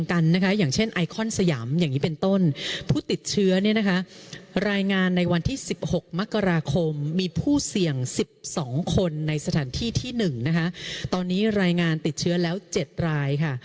การยืนยันผู้ติดเชื้อแล้ว๗ราย